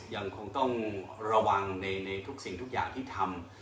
ยังคงต้องระวังในทุกสิ่งทุกอย่างที่ทำ